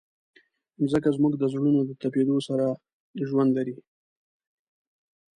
مځکه زموږ د زړونو د تپېدو سره ژوند لري.